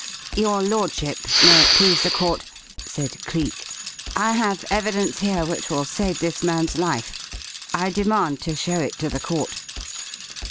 "Your Lordship, may it please the court," said Cleek, "I have evidence here which will save this man's life. I demand to show it to the court."